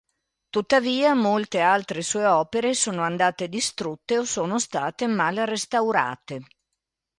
Tuttavia, molte altre sue opere sono andate distrutte o sono state mal restaurate.